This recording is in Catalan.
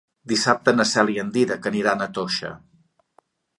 Dissabte na Cel i en Dídac aniran a Toixa.